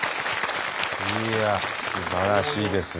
いやすばらしいですね。